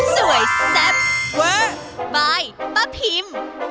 แซ่บเวอร์บายป้าพิม